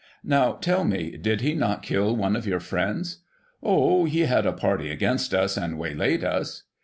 Now, tell me, did he not kill one of your friends? — Oh, he had a party against us, and waylaid us.